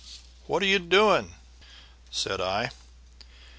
"'What are you doing?' said I.